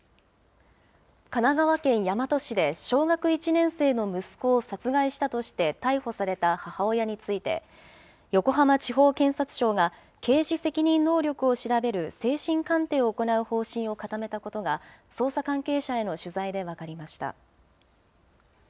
神奈川県大和市で、小学１年生の息子を殺害したとして逮捕された母親について、横浜地方検察庁が刑事責任能力を調べる精神鑑定を行う方針を固めたことが、捜査関係者への取材で分かりました。